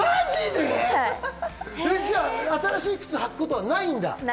新しい靴を履くことはないんだ。